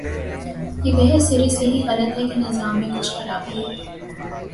یہ بحث سرے سے ہی غلط ہے کہ نظام میں کچھ خرابی ہے۔